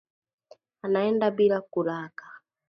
Anaenda bila kulaka